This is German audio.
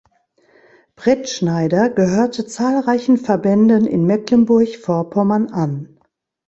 Bretschneider gehörte zahlreichen Verbänden in Mecklenburg-Vorpommern an.